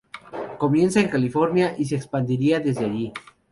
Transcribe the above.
Comienza en California, y se expandirá desde allí.